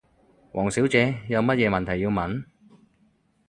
王小姐，有乜嘢問題要問？